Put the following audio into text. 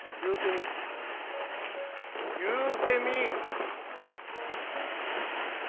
言うてみい！